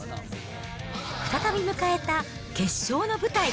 再び迎えた決勝の舞台。